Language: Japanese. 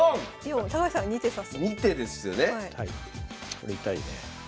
これ痛いねえ。